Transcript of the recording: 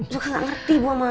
suka gak ngerti bu sama